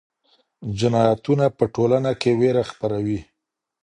جنایتونه په ټولنه کې ویره خپروي.